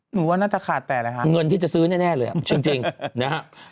หนูว่าน่าจะขาดแต่เลยค่ะเงินที่จะซื้อแน่เลยจริงนะฮะ